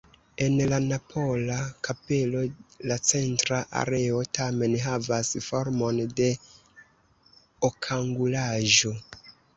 En la napola kapelo la centra areo tamen havas formon de okangulaĵo.